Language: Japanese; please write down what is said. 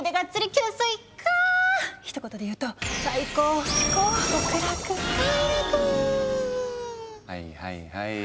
吸水カーッ一言で言うとはいはいはい。